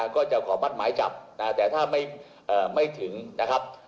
ก็จะขอมัดหมายจับแต่ถ้าไม่ถึงนะครับ